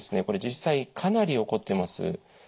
これ実際かなり起こっています。